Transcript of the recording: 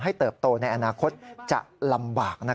เติบโตในอนาคตจะลำบาก